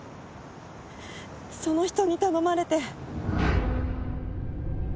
その人に頼まれて。